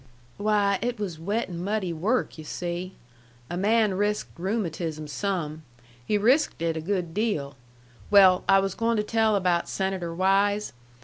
"Why, it was wet an' muddy work, yu' see. A man risked rheumatism some. He risked it a good deal. Well, I was going to tell about Senator Wise.